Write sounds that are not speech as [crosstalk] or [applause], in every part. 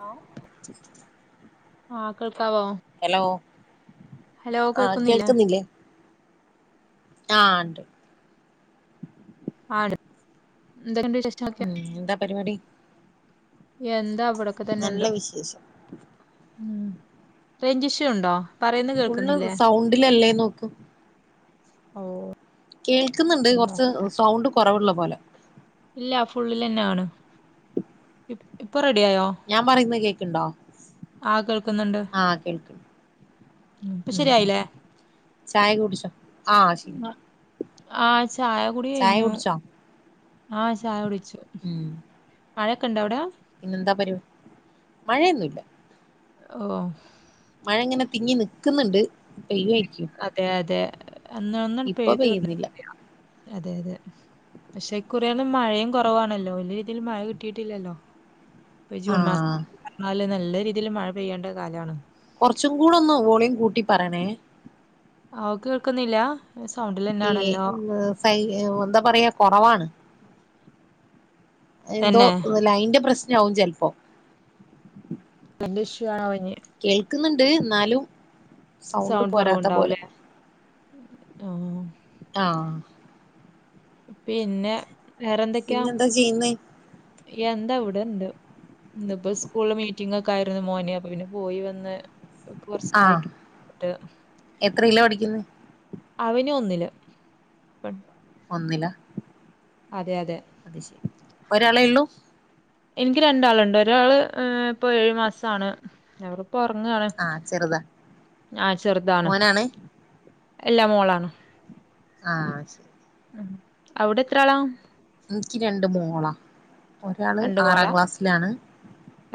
Hello? ആഹ് കേൾക്കാവോ? Hello hello ആഹ് കേക്കുന്നില്ലേ? കേൾക്കുന്നില്ലേ ആഹ് ണ്ട് ആഹ് ണ്ട് എന്തെക്കെണ്ട് വിശേ ഉം എന്താ പരിപാടി? എന്താ ഇവടൊക്കെ തന്നെ നല്ല ണ്ട്. വിശേഷം ഉം റേഞ്ച് ഷ്യൂ ണ്ടോ? ഫുള്ള് സൗണ്ടിലല്ലേ നോക്ക്. ഓഹ് കേൾക്ക്ന്ന്ണ്ട് കൊർച്ച് സൗണ്ട് കൊറവ്ള്ളെ പോലെ ഇല്ല ഫുള്ളിലെന്നാണ് ഇപ്പ് ഇപ്പൊ റെഡ്യായോ? ഞാം പറിന്നെ കേക്ക്ണ്ടോ? ആഹ് കേൾക്ക്ന്ന്ണ്ട്. ആഹ് കേൾക്ക്ണ്ട്. ഉം ഉം ശരിയായില്ലേ ചായ കുടിച്ചോ ആഹ് ശെ ആഹ് ചായ കുടി ചായ കഴിഞ്ഞു കുട്ച്ചോ? ആഹ് ചായുടിച്ചു. ഉം മഴക്ക്ണ്ടവടെ? പിന്നെ എന്താ പരു മഴൊന്നുല്ല. ഓഹ് മഴ ങ്ങനെ തിങ്ങി നിക്ക്ന്ന്ണ്ട് പെയ്യുവായി അതെ അതെ അന്ന് ഒന്നാണ് ഇപ്പൊ പെയ്ത് വ പെയ്യുന്നില്ല [unintelligible] അതെ അതെ പക്ഷെ ഇക്കുറിയൊന്നും മഴയും കൊറവാണല്ലോ വെല്ല്യെ രീതിയില് മഴ കിട്ടിയിട്ടില്ലല്ലോ. ഇപ്പൊ ജൂൺ ആഹ് മാസന്ന് പർഞ്ഞാല് നല്ല രീതിയില് മഴ പെയ്യേണ്ട കാലാണ്. കൊർച്ചും കൂടൊന്ന് വോളിയം കൂട്ടി പറണേ. ആഹ് ഓ കേക്ക്ന്നില്ല. ഏഹ് മ് സൈയ് എന്താ പറയാ കൊറവാണ്. എന്തോ തന്നെ ലൈന്റെ പ്രശ്നാവും ചെൽ [unintelligible] ഇഷ്യു [unintelligible] ഞ് കേൾക്ക്ന്ന്ണ്ട് ന്നാലും സൗണ്ട് പോരാത്ത പോലെ. ആ ആഹ് പിന്നെ വേറെന്തെക്ക്യാ പിന്നെന്താ ചെയ്യുന്നേ എന്താവ്ടെണ്ട്. ഇന്ന്പ്പോ സ്കൂൾ ല് മീറ്റിംഗൊക്കായിരുന്നു മോൻ അപ്പ പിന്നെ പോയി വന്ന്. ഇപ്പൊ ആഹ് കുറച്ചേരായിട്ട് എത്രേലാ പഠിക്ക്ന്നേ? അവന് ഒന്നില് പ ഒന്നിലാ അതെ യതെ അത് ശെരി ഒരാളെ ള്ളൂ? ഇൻക്ക് രണ്ടാള്ണ്ട് ഒരാള് ഏഹ് ഇപ്പൊ ഏഴ് മാസാണ് അവർ പൊർങ്ങാണ് ആഹ് ചെറുതാ ആഹ് ചെറ്താണ് മോനാണ് അല്ലാ മോളാണ്. ആഹ് ശെരി. ഉം അവടെത്രാളാ? ഇൻക്ക് രണ്ട് മോളാ ഒരാള് രണ്ട് ആറാം മോളാ ക്ലാസ്സിലാണ്.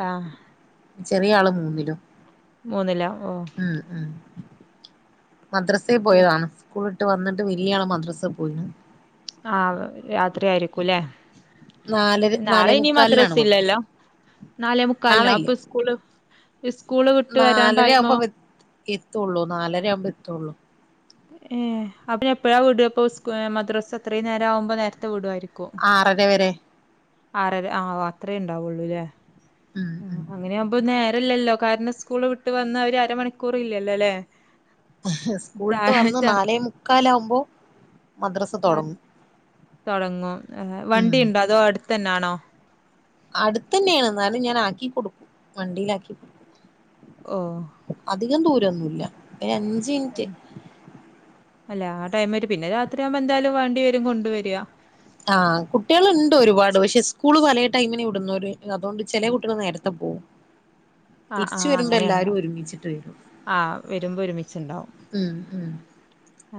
ആ ചെറിയാള് മൂന്നിലും. മൂന്നില്ല ഓഹ് ഉം ഉം മദ്രസേ പോയതാണ്. സ്കൂള്ട്ട് വന്ന്ട്ട് വെല്യാള് മദ്രസ് പോയിണ്. ആഹ് രാത്രിയായിരിക്കൂല്ലേ? നാലര നാളെ നാലേ ഇനി മദ്രസ മുക്കാലിനാണ് ഇല്ലല്ലോ നാലെമുക്കാലിനോ നാളെ ഇല്ല അപ്പോ സ് സ്കൂള് ഇസ്സ്കൂള് വിട്ട് വരാൻ ടൈമോ എത്തൂള്ളൂ നാലര ആവുമ്പോൾ എത്തുള്ളൂ. ഏ അപ്പ ന്നെ എപ്പഴാ വിടുക അപ്പൊ ഉസ്കൂ ഏ മദ്രാസ അത്രയും നേരം ആവുമ്പോ നേരത്തെ വിടുമായിരിക്കും ആറര വരെ ആറര ആ അത്രേ ഉണ്ടാവുള്ളൂല്ലേ ഉം ആ ഉം അങ്ങനെയ ആവുമ്പോ നേരല്ലല്ലോ കാരണം സ്കൂള് വിട്ട് വന്ന അവര് അരമണിക്കൂർ ഇല്ലല്ലോ അല്ലേ [inaudible] സ്കൂള്ട്ട് ചായ വന്നു ചാ നാലേ മുക്കാലാകുമ്പോ മദ്രസ ആ, തുടങ്ങും തുടങ്ങും ഉം ആവണ്ടിയുണ്ടോ അതോ അടുത്തന്നെ ആണോ അടുത്തന്നെയാണ് എന്നാലും ഞാൻ ആക്കി ക്കൊടുക്കും വണ്ടിയിലാക്കിടുക്കും ഓ അധികം ദൂരൊന്നുല്ല ഒരു അഞ്ച് മിനിറ്റ് തന്നെ. അല്ല ആ ടൈം വര് പിന്നെ രാത്രിയാവുമ്പോൾ എന്തായാലും വേണ്ടി വരും കൊണ്ടുവരിക ആഹ് കുട്ടികളുണ്ട് ഒരുപാട് പക്ഷെ സ്കൂള് പലെ ടൈമിന് വിടുന്നോര് അതുകൊണ്ട് ചില കുട്ടികള് നേരത്തെ പോകും [inaudible] ആ ആഹ് അങ്ങനെയുണ്ടോ ഒരുമിച്ചിട്ട് വരും ആ വരുമ്പോ ഒരുമിച്ചുണ്ടാവും ഉം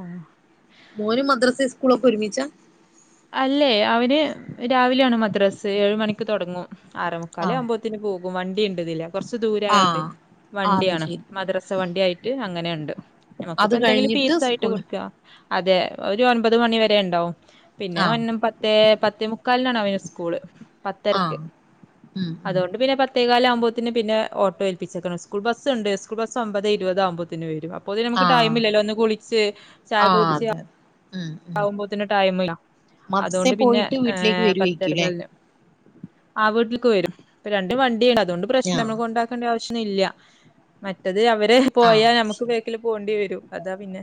ആഹ് മോനും മദ്രസ സ്കൂളൊക്കെ ഒരുമിച്ചാ അല്ലേ അവന് രാവിലെയാണ് മദ്രാസ് ഏഴ് മണിക്ക് തുടങ്ങും ആഹ് ആറെമുക്കാലാവുമ്പോ ത്തിന് പോകും വണ്ടി ഉണ്ട് ഇതിലെ കുറച്ച് ദൂരായോണ്ടേ ആഹ് അത് വണ്ടിയാണ് ശരി മദ്രസ വണ്ടി ആയിട്ട് അങ്ങനെയുണ്ട് നമുക്കിപ്പ അത് എന്തെങ്കിലും കഴിഞ്ഞിട്ട് പീസ് ആയിട്ട് സ്കൂള് കൊടുക്കുക അതെ ഒരു ഒൻപത് മണി വരെ ഉണ്ടാവും പിന്നെ ആഹ് ഒന്ന ത്തേ പത്തേമുക്കാലിനാണ് അവന് സ്കൂള് പത്തരക്ക് ആഹ് ഉം ഉം അതുകൊണ്ട് പിന്നെ പത് ത്തെകാലാകുമ്പോത്തേന് പിന്നെഓട്ടോ ഏൽപ്പിച്ചേക്കണ്. സ്കൂൾ ബസ് ഉണ്ട് സ്കൂൾ ബസ് ഒമ്പത് ഇരുപതകുമ്പോത്തേന് വരും അപ്പത്തെന് നമുക്ക് ടൈം ആഹ് ഇല്ലല്ലോ ഒന്ന് കുളിച്ച് ചായക്കെ ആഹ് കുടിച്ച് അതെ ഉം ഉം ആവുമ്പോത്തന് ടൈംല്ല മദ്രസേ അതുകൊണ്ട് പിന്നെ പോയിട്ട് ഏ വീട്ടിലേക്ക് വരുവായിരിക്കുംല്ലേ പത്തരക്കല്ല ആ വീട്ടിൽക്ക് വരും പ്പ രണ്ടും വണ്ടിയാണ് അതുകൊണ്ട് പ്രശ്നം നമ്മളെ ആഹ് കൊണ്ടാക് ക്കണ്ട ആവശ്യം ഒന്ന് ഇല്ല്യ മറ്റത് അവരെ ആഹ് പോയാൽ അത് നമുക്ക് ശരി ബാക്കല് പോകേണ്ടി വരും അതാ പിന്നെ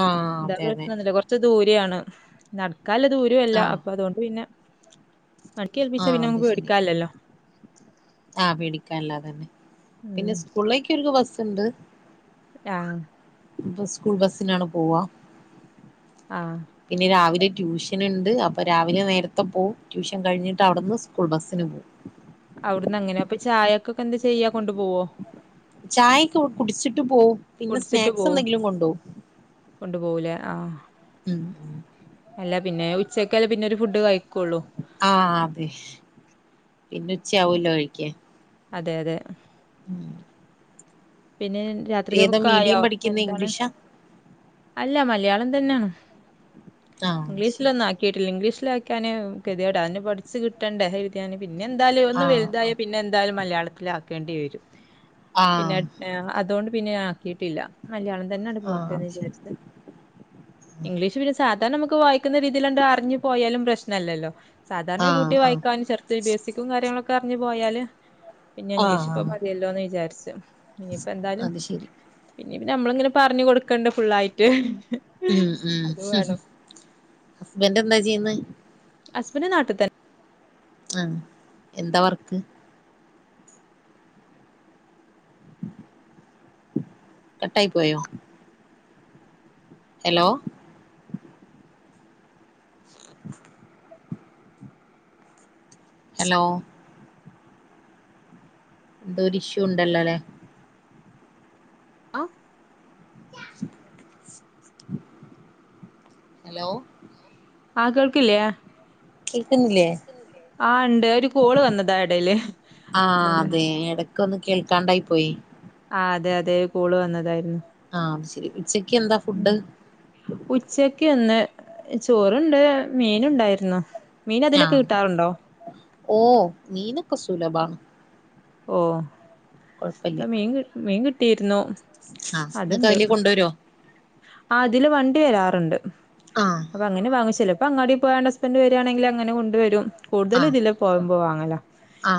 ആഹ് എന്താ അതെ അതെ പ്രശ്നൊന്നുല്ല കൊറച്ച് ദൂരാണ് നടക്കല്ല ദൂരല്ല ആഹ് അപ്പൊ അതുകൊണ്ട് പിന്നെ മടക്കി ഏൽപിച്ച ആഹ് പിന്നെ അത് നമക്ക് ശരി പേടിക്കാനില്ലല്ലോ ആഹ് പേടിക്കാല്ലാ അതന്നെ പിന്നെ ഉം സ്കൂളിലേക്ക് ഇവർക്ക് ബസ്ണ്ട് ആഹ് ഇപ്പ സ്കൂൾ ബസ്സിനാണ് പോവാ ആഹ് പിന്നെ രാവിലെ ട്യൂഷൻണ്ട് അപ്പോ രാവിലെ നേരത്തെ പോകും ട്യൂഷൻ കഴിഞ്ഞിട്ട് അവിടുന്ന് സ്കൂൾ ബസ്സിന് പോകും ഔടന്നങ്ങനെ അപ്പൊ ചായക്കെക്കെ എന്താ ചെയ്യാ കൊണ്ട് പോവോ ചായക്കെ ഇവിടെ കുടിച്ചിട്ട് പോവും പിന്നെ പൊടിച്ചിട്ട് സ്നാക്സ് പോവോ? എന്തെങ്കിലും കൊണ്ടേവും കൊണ്ടു പോവുലേ ആഹ് ഉം അല്ല പിന്നെ ഉച്ചയ്ക്കല്ലെ പിന്നെ ഒരു ഫുഡ് കഴി ആഹ് അതെ പിന്നെ ഉച്ചവൂല കഴിക്ക്യാൻ അതെ അതെ ഉം പിന്നെ ഏതാ രാത്രികക്കൊക്കെ മീഡിയം ആയോ പഠിക്കുന്നെ എന്താണ് ഇംഗ്ലീഷാ അല്ല മലയാളം തന്നെണ് ആഹ് ശരി ഇംഗ്ലീഷിലൊന്നും ആക്കി കിട്ടില്ല ഇംഗ്ലീഷിലാക്കാന് കെത്യോടാ അതിന് പഠിച്ച് കിട്ടണ്ടേ ക്കാന് പിന്നെ എന്താലും ഒന്നും ആഹ് വലുതായ ആഹ് പിന്നെ എന്തായാലും മലയാളത്തിലാക്കേണ്ടി വരും പിന്നെ ആഹ് അഡ് ഏഹ് അതൊണ്ട് പിന്നെ യാ ആക്കിട്ടില്ല മലയാളം തന്നെണ്ട് ആഹ് പോട്ടെന്ന് അത് ശരി വിചാരിച്ച് ഇംഗ്ലീഷ് പിന്നെ സാധാരണമ്മക്ക് വായിക്കുന്ന രീതീലാണ്ട് അറിഞ്ഞ് പോയാലും പ്രശ്നല്ലല്ലോ സാധാരണ ആഹ് കൂട്ടി ആഹ് വായിക്കാനും ചെറുത്ത് ബേയ്സിക്കും കാര്യങ്ങളൊക്കെ അറിഞ്ഞ് പോയാല് പിന്നെ ഇംഗ്ലീഷ് ആഹ് ഇപ്പൊ ആഹ് മതിയല്ലോന്ന് വിചാരിച്ച് ഇനിയിപ്പെന്താലും അത് ശരി ഇനിപ്ന്നെ നമ്മള്ങ്ങനെ പറഞ്ഞു കൊടുക്കണ്ട് ഫുള്ളായിട്ട് ഉം അത് ഉംഹ് വേണം. ഹസ്ബന്റെന്താ ചെയ്യുന്നേ അസ്ബന്റ് നാട്ടി തന്നെ ആ എന്താ വർക്ക് കട്ടായി പോയോ ഹലോ ഹലോ എന്തോര്ഷ്യൂ ഉണ്ടല്ലോല്ലേ ആ ഹലോ ആഹ് കേൾക്കില്ലേ കേക്ക്ന്നില്ലേ ആഹ് ഇണ്ട് ഒരു കോള് വന്നതാ എടേല് ആഹ് അതോണ്ടാ അതെ എട ക്കൊന്ന് കേൾക്കാണ്ടായി പോയി ആ അതെയതെ കോള് വന്നതായിരുന്നു ആഹ് അത് ശരി ഉച്ചക്കെന്താ ഉം ഫുഡ് ഉച്ചക്ക് ന്ന് ചോറ്ണ്ട് മീനുണ്ടായിരുന്നു മീനതിലൊക്കെ ആഹ് കിട്ടാറുണ്ടോ ഓ മീനക്കെ സുലഭാണ് ഓ കൊഴപ്പല്ല ഇപ്പ മീൻ കി മീൻ കിട്ടിരുന്നു ആഹ് ങ്ങക്ക് അയ്ലേ കൊണ്ടെരോ ആ തിലെ വണ്ടി വെരാറുണ്ട് ആഹ് അപ്പൊങ്ങനെ വാങ്ങിച്ചെരും ഇപ്പ അങ്ങാടി പോയാണ്ടസ്ബന്റ് വരാണങ്കിലങ്ങനെ കൊണ്ടു വരും കൂടുതലും ആഹ് ഇതിലെ പോവ്മ്പോ വാങ്ങല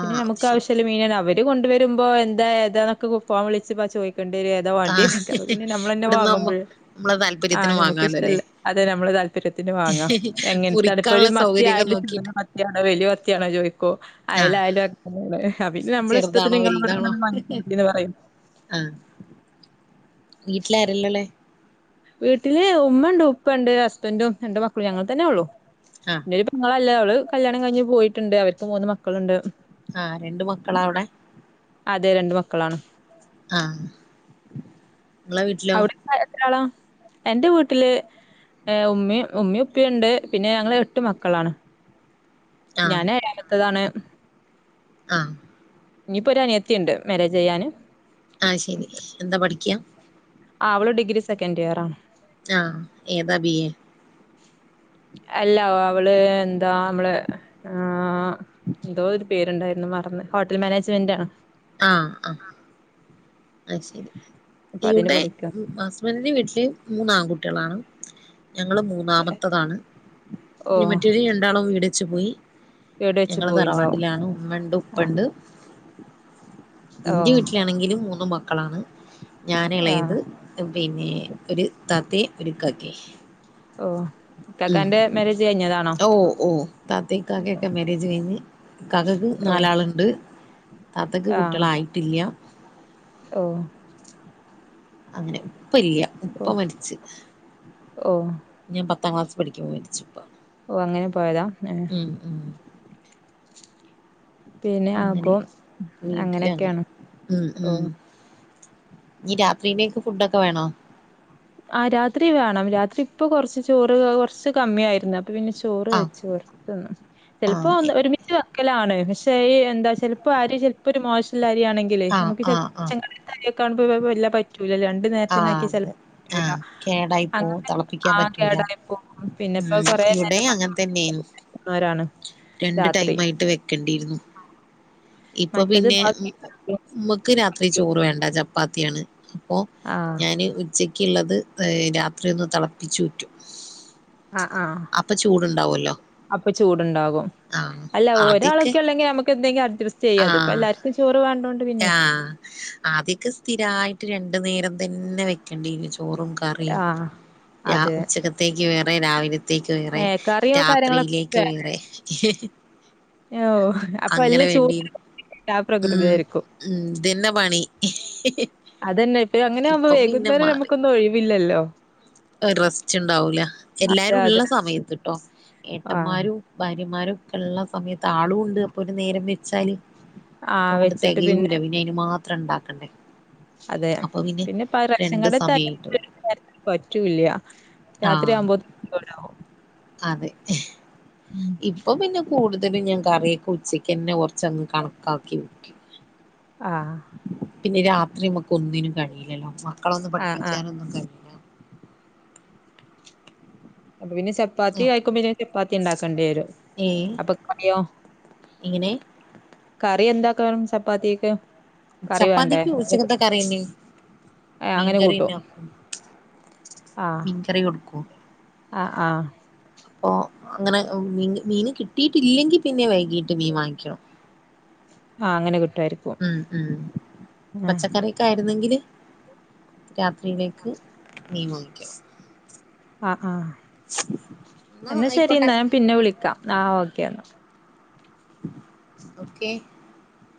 പിന്നെ അത് ശരി അമക്കാവശ്യല്ല മീനാ അവര് ര് കൊണ്ടുവരുമ്പോ എന്താഏതാന്നൊക്കെ ഫോൺ വിളിച്ച് പ ചോയിക്കേണ്ടി വരും എന്താ ആഹ് വാണ്ട്യയിക്കാ അപപിന്നെ നമ്മളന്നെ ഇവിടന്നാവുമ്പോ വാങ്ങുമ്പഴ് നമ്മളെ ആഹ് താല്പര്യത്തിന് വാങ്ങാലോ അല്ലേ ഞമുക്ക്ഷ്ടല്ല അതെ നമ്മളെ താല്പര്യത്തിന് വാങ്ങാം എങ്ങൻത്താണ് ഇപ്പൊരു മുറിക്കാനുള്ള സൗകര്യൊക്കെ മത്തിയായാലും നോക്കിട്ട് മത്തിയാണോ വെല്ല്യ വത്തിയാണോ ചോയിക്കും ആഹ് അയലായാലും അ പിന്നെ ഞമ്മളിഷ്ടത്തിന് ചെറുതാണോ വലുതാണോ നങ്ങളവിടന്ന് വാങ്ങി [unintelligible] പറയും ആഹ് വീട്ടിലാരെല്ലാള്ളെ വീട്ടില് ഉമ്മ ണ്ട് ഉപ്പ ണ്ട് ഹസ്ബന്റും രണ്ട്മക്കളും ഞങ്ങള് തന്നെ ഒള്ളു ആഹ് ഒര് പെങ്ങളാല്ലെ ഓള് കല്യാണം കഴിഞ്ഞ് പോയിട്ടൊണ്ട് അവര്ക്ക് മൂന്ന് മക്കളുണ്ട് ആഹ് രണ്ട് മക്കളാവിടെ? അതെ രണ്ട് മക്കളാണ് ആഹ് ങ്ങളെ വീട്ടിലോ? ആ എത്രയാളാ എന്റെ വീട്ടില് ഏ ഉമ്മേ ഉമ്മേ ഉപ്പേയൊണ്ട് പിന്നെ ഞങ്ങള് എട്ട് മക്കളാണ് ആഹ് ഞാന് എയാമത്തതാണ് ആഹ് ഇനിയിപ്പോ ഒരു അനിയത്തിണ്ട് മാരേജ് ചെയ്യാന് അയ് ശരി എന്താ പഠിക്കാ? ആ അവള് ഡിഗ്രി സെക്കന്റിയറാണ് ആഹ് ഏതാ ബീയെ അല്ല അവള് എന്താമ്മള് ആഹ് എന്തോ ഒരു പേരുണ്ടായിരുന്നു മറന്ന് ഹോട്ടൽ മാനേജ്മെന്റ് ആണ് ആഹ് അ ശരി അപ്പൊ അതിന് ഇവിടെ പഠിക്ക ഹസ്ബൻഡന്റെ വീട്ടില് മൂന്നാൺകുട്ടിളാണ്. ഞങ്ങള് മൂന്നാമത്തതാണ് ഓ മറ്റര് രണ്ടാളും വീടച്ച് പോയി കേട് വെച്ച് ഞങ്ങള് പോയിണ്ടാവും തറവാട്ടിലാണ് ഉമ്മ ണ്ട് ഉപ്പ ആഹ് ണ്ട് ഓ എന്റെ വീട്ടിലാണെങ്കിലും മൂന്ന് മക്കളാണ് ഞാന് േളയത് ആഹ് പിന്നെ ഒരു താത്തിഒരു കാക്കി കക്കാന്റെ മേരെജ് ക - ഓ ഓ താത്തി കാക്കി ഒക്കെ മരേജ് കഴിഞ്ഞ് കകയ്ക്ക് ഓ നാലാളുണ്ട് താത്തയ്ക്ക് ആഹ് കുട്ടികളായിട്ടില്ല ഓ അങ്ങനെ ഉപ്പ ഇല്ല ഓ ഉപ്പ മരിച്ച് ഓ ഞാൻ പത്താം ക്ലാസ് പഠിക്കുമ്പോ മരിച്ചു പ്പ ഓ അങ്ങനെ പോയതാ ഏ ഉം പിന്നെ അങ്ങനെ അപ്പൊ വീട്ടില ങ്ങനെ അങ്ങനെയൊക്കെയാണ് ഉ ഉ ഓ ഈ രാത്രിയിലേക്ക് ഫുഡൊക്കെ വേണോ? ആ രാത്രി വേണം രാത്രി ഇപ്പൊ കുറച്ച് ചോറ് കുറച്ച് കമ്മിയ ആയിരുന്നു പിന്നെ ചോറ് ആ വെച്ച് കൊറച് തിന്നു ആ ചെലപ്പോ എ- ഒരിമിച്ച് വക്കലാണ് പക്ഷേ ഈ എന്താ ചിലപ്പോൾ അരി ചിലപ്പോ ഒരു മോശം അരിയാണെങ്കിൽ ങ്കിൽ ആ നമുക്ക് ആ ആ ചപ്പോണുമ്പ വല്ലാ പറ്റൂല്ല രണ്ടു ആ നേരത്തി ആക്കിയ അതെ ചെലപ്പോ ആ കേടായി പോവും അങ്ങനെ ആ തിളപ്പിക്കാൻ പറ്റൂല കേടായിപ്പോ പിന്നെപ്പോ ഉം കൊറ ഇവിടെ നേരം അങ്ങനെ തന്നെയായിരുന്നു ആരാണ് രാത്രി ട്ട് വെക്കേണ്ടിയിരുന്നു ആ ഇപ്പൊ പിന്നെ മമക്ക് രാത്രി ചോറ് വേണ്ട ചപ്പാത്തിയാണ് അപ്പോ ആഹ് ഞാന് ഉച്ചക്കുള്ളത് രാത്രി ഒന്ന് തിളപ്പിച്ചു ഊറ്റും ആ ആ അപ്പൊ ചൂടുണ്ടാവുമല്ലോ അപ്പൊ ചൂടുണ്ടാകും ആ അല്ല ആദ്യൊക്കെ ഒരാളൊക്കെ ഉള്ളെങ്കിൽ നമക്ക് ന്തെങ്കും അഡ്സ്റ്റ് ചെയ്യാ തിപ്പോ എല്ലാവർു ചോറ് വേണ്ടോണ്ട് പിന്നെ ആഹ് ആദ്യൊക്കെ സ്ഥിരമായിട്ട് രണ്ടു നേരം തന്നെ വെക്കണ്ടി ന്ന്ചോറും കറി ആഹ് രാ അതെ ഉച്ചക്കത്തെ ത്തേക്ക് വേറെ രാവിലത്തേക്ക് വേറെ ഏഹ് കറിയോ രാത്രിയിലേക്ക് കാര്യങ്ങളൊക്കെ വേറെ ഓ അപ്പൊ അങ്ങനെ എല്ലാം ചൂറ് വേണ്ടിയിരുന്നു ആ ഉം പ്രകൃതിയായിരിക്കും ഉം ഇതന്നെ പണി [unintelligible] അതന്നെ ഇപ്പൊ അങ്ങനെ ആവുമ്പോ ഇപ്പൊ പിന്നെ വൈകുന്നേര മാറി നമുക്ക് ഇന്ന്ഒഴിവില്ലല്ലോ റെസ്റ്റ് ണ്ടാവൂല അതെ എല്ലാരും അതെ ഉള്ള സമയത്ത് ട്ടോ ആഹ് ഏട്ടന്മാരും ഭാര്യമാരൊക്കെ ഉള്ള സമയത്ത് ആളും ഉണ്ട് അപ്പൊ ഒരു നേരം വെച്ചാല് ഒക്ക ആഹ് അങ്ങോട്ട് വെച്ചിട്ട് തികയൂല പിന്നെ അയ്ന് മാത്ര ഉണ്ടാക്കണ്ടേ അതെ അപ്പൊ പിന്നെ പിന്നെപ്പ റേഷൻ രണ്ട് കാർഡ് ത്തെ അരി സമയം കിട്ടും ർക്കും പറ്റൂല്ല ആഹ് രാത്രിയാവുമ്പോ അതെ ഉം ഇപ്പൊ പിന്നെ കൂടുതലും ഞാൻ കറിയൊക്കെ ഉച്ചക്ക്ന്നെ കുറച്ചങ്ങ് കണക്കാക്കി വെക്കും ആഹ് പിന്നെ രാത്രി മ്മക്ക് ഒന്നിനും കഴിയില്ലല്ലോ മക്കളൊന്ന് ആഹ് ആഹ് പഠിപ്പിച്ചാനൊന്നും കഴി അപ്പൊ പിന്ന സത് [unintelligible] ആ, ചപ്പാത്തി കഴിക്കും പിന്നൊരു ചപ്പാത്തി ഉണ്ടാക്കേണ്ടേരും ഏ അപ്പൊ കറിയോ ഇങ്ങനെ കറി എന്താക്കാ രം ചപ്പാത്തിക്ക് കറി വേണ്ടേ? ചപ്പാത്തിക്കു ഉച്ചക്കത്തെ കറിയന്നെ ഏ അങ്ങനെ മീൻകറി കൂട്ടും ഉണ്ടാവും ആഹ് മീൻകറി കൊടുക്കും ആഹ് ആഹ് ഓഹ് ഇങ്ങനെ മീന് മീന് കിട്ടിയിട്ടില്ലെങ്കി പിന്നെ വൈകീട്ട് മീൻ വാങ്ങിക്കും ആഹ് അങ്ങനെ കിട്ടായിരിക്കും ഉം ഉം പച്ചക്കറൊക്കെ ആയിരുന്നെങ്കില് രാത്രിയിലേ ക്ക്‌ മീ വാങ്ങിക്കും ആഹ് ആഹ് എന്നാ ശരി എന്നാ ഞാൻ പിന്നെ വിളിക്കാം ആഹ് ഓക്കെ ന്നാ ഓക്കെ